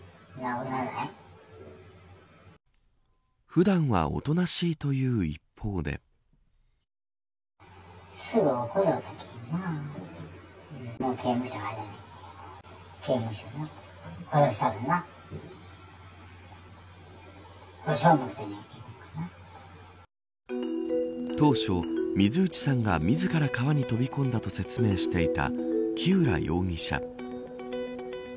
普段はおとなしいという一方で当初、水内さんが自ら川に飛び込んだと説明していた木浦容疑者。